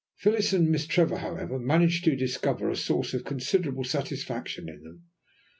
Phyllis and Miss Trevor, however, managed to discover a source of considerable satisfaction in them.